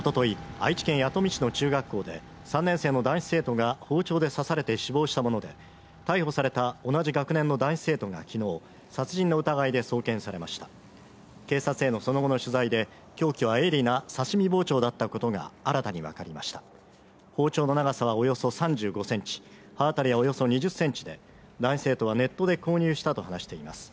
愛知県弥富市の中学校で３年生の男子生徒が包丁で刺されて死亡したもので逮捕された同じ学年の男子生徒がきのう殺人の疑いで送検されました警察へのその後の取材で凶器は鋭利な刺身包丁だったことが新たに分かりました包丁の長さはおよそ３５センチ刃渡りおよそ２０センチで男子生徒はネットで購入したと話しています